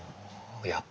やっぱり！